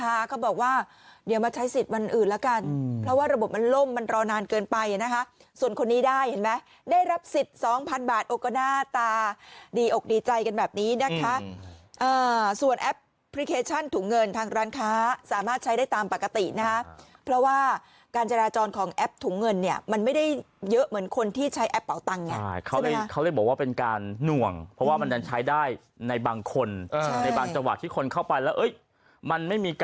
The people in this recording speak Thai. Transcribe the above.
นะคะส่วนคนนี้ได้เห็นไหมได้รับสิทธิ์สองพันบาทโอกน่าตาดีอกดีใจกันแบบนี้นะคะอ่าส่วนแอปพลิเคชันถุงเงินทางร้านค้าสามารถใช้ได้ตามปกตินะคะเพราะว่าการจราจรของแอปถุงเงินเนี่ยมันไม่ได้เยอะเหมือนคนที่ใช้แอปเป่าตังค์เนี่ยใช่ไหมคะเขาได้เขาได้บอกว่าเป็นการหน่วงเพราะว่ามันจะใช้ได้ในบางคนใช่ในบาง